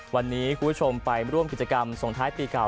วันนี้คุณผู้ชมไปร่วมกิจกรรมส่งท้ายปีเก่า